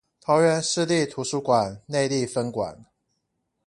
桃園市立圖書館內壢分館